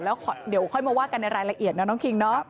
แล้วเดี๋ยวค่อยมาว่ากันในรายละเอียดนะน้องคิงเนาะ